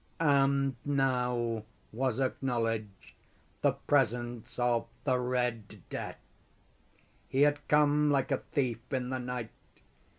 And now was acknowledged the presence of the Red Death. He had come like a thief in the night.